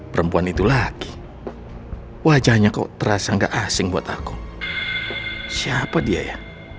perempuan itu laki wajahnya kok terasa nggak asing buat aku siapa dia ya